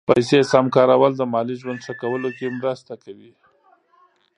پیسې سم کارول د مالي ژوند ښه کولو کې مرسته کوي.